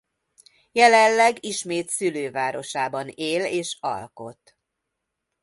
Jelenleg ismét szülővárosában él és alkot.